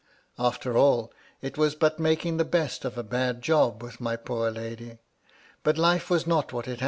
After all, it was but making the best of a bad job with my poor lady — but life was not what it had VOL.